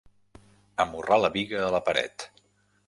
Amorrar la biga a la paret.